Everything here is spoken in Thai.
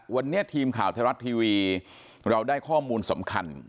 วันนี้ทีมข่าวไทยรัฐทีวีเราได้ข้อมูลสำคัญ